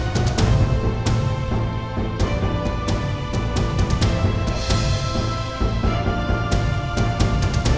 aku akan mencari cherry